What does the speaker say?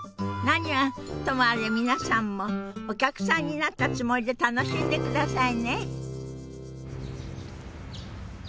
何はともあれ皆さんもお客さんになったつもりで楽しんでくださいね。